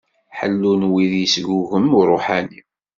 Ḥellu n win i yesgugem uṛuḥani.